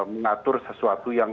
mengatur sesuatu yang